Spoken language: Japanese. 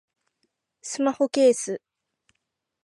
スマホケース